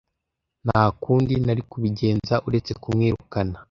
Nta kundi nari kubigenza uretse kumwirukana.